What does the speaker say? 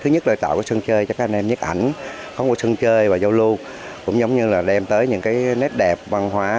thứ nhất là tạo sân chơi cho các anh em nhiếp ảnh có một sân chơi và giao lưu cũng giống như là đem tới những nét đẹp văn hóa